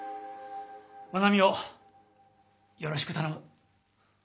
まなみをよろしくたのむ。